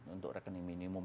untuk rekening minimum